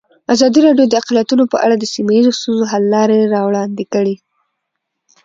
ازادي راډیو د اقلیتونه په اړه د سیمه ییزو ستونزو حل لارې راوړاندې کړې.